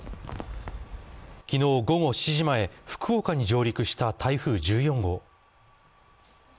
昨日午後７時前、福岡に上陸した台風１４号。